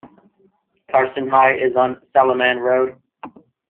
Carson High is on Saliman Road.